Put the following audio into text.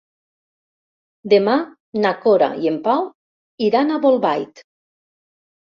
Demà na Cora i en Pau iran a Bolbait.